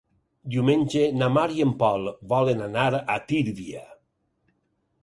Diumenge na Mar i en Pol volen anar a Tírvia.